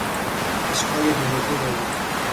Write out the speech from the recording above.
اشکهای دروغین او